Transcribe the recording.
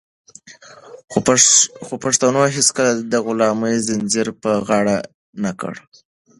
خو پښتنو هيڅکله د غلامۍ زنځير په غاړه نه کړ.